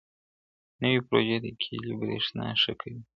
نوې پروژې د کلیو برېښنا ښه کوي.